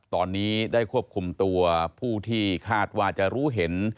ตอนนี้ได้ควบคุมตัวผู้ที่คาดว่าจะรู้เห็น